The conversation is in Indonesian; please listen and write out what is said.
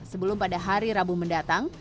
sebelum pada hari rabu mendatang